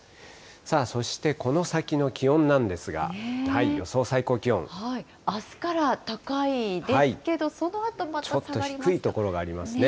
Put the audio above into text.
そしてこの先の気温なんですが、あすから高いですけど、そのちょっと低い所がありますね。